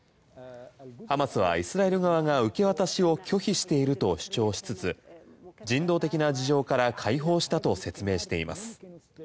ハマスはイスラエル側が受け渡しを拒否していると主張しつつ人道的な事情から解放したと説明しています。